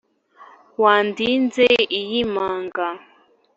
wandize iyi manga,